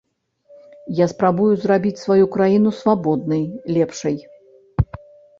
Я спрабую зрабіць сваю краіну свабоднай, лепшай.